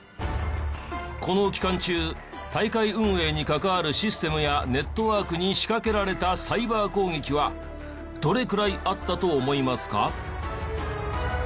この期間中大会運営に関わるシステムやネットワークに仕掛けられたサイバー攻撃はどれくらいあったと思いますか？